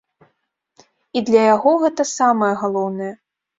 І для яго гэта самае галоўнае.